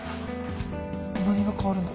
何が変わるんだ？